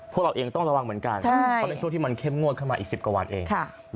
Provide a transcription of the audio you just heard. พวกเราเองต้องระวังเหมือนกันเพราะเป็นช่วงที่มันเข้มงวดขึ้นมาอีก๑๐กว่าวันเอง